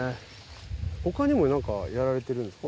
他にも何かやられてるんですか？